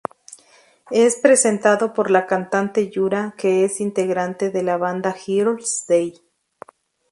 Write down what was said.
Es presentado por la cantante Yura, que es integrante de la banda Girl's Day.